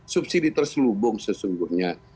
subsidi terselubung sesungguhnya